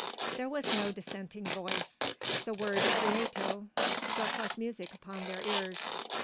There was no dissenting voice. The word "Prieto" struck like music upon their ears.